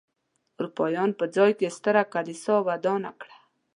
اروپایانو پر ځای یې ستره کلیسا ودانه کړه.